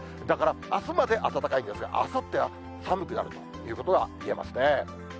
だからあすまで暖かいんですが、あさっては寒くなるということが言えますね。